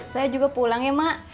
saya juga pulang ya mak